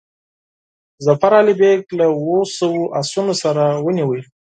ظفر علي بیګ له اوو سوو آسونو سره ونیوی.